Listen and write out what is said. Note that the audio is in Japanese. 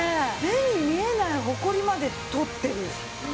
目に見えないホコリまで取ってる。